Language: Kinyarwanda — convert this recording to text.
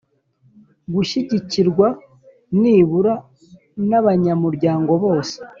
gushyigikirwa nibura n abanyamuryango bose